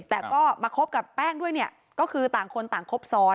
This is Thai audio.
แต่ก็มาคบกับแป้งด้วยเนี่ยก็คือต่างคนต่างครบซ้อน